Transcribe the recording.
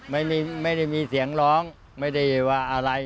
ไม่ได้มีเสียงร้องไม่ได้ว่าอะไร